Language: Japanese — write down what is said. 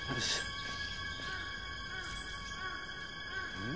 うん？